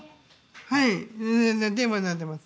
はいテーマになってます。